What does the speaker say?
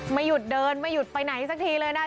ไม่หยุดเดินไม่หยุดไปไหนสักทีเลยนะคะ